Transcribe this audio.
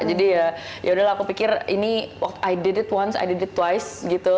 jadi yaudahlah aku pikir ini i did it once i did it twice gitu